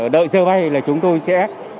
đợi giờ bay là chúng tôi sẽ